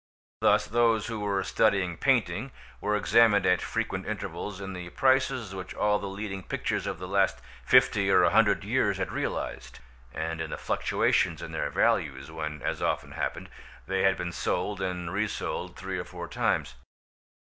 Thus those who were studying painting were examined at frequent intervals in the prices which all the leading pictures of the last fifty or a hundred years had realised, and in the fluctuations in their values when (as often happened) they had been sold and resold three or four times.